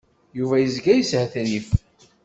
Yuba yezga yeshetrif.